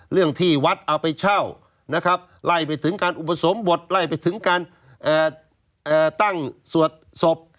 ที่วัดเอาไปเช่านะครับไล่ไปถึงการอุปสมบทไล่ไปถึงการตั้งสวดศพ